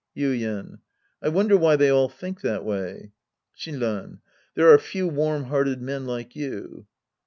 Yuien. I wonder why they all think that way. Shinran. There are few warm hearted men like you.